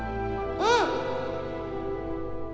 うん！